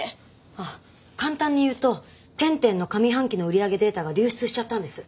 ああ簡単に言うと天・天の上半期の売り上げデータが流出しちゃったんです。